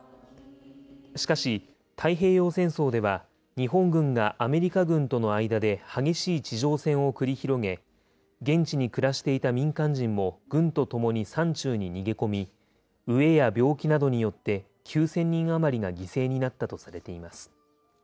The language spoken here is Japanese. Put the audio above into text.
しかし、太平洋戦争では、日本軍がアメリカ軍との間で激しい地上戦を繰り広げ、現地に暮らしていた民間人も軍とともに山中に逃げ込み、飢えや病気などによって９０００人余りが犠牲になったとされています。